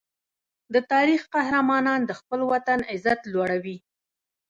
د تاریخ قهرمانان د خپل وطن عزت لوړوي.